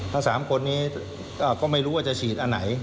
ถ้า๓คนนี้ก็ไม่รู้ว่าจะฉีดอันไหน